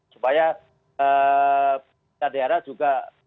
supaya daerah juga